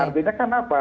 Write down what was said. artinya kan apa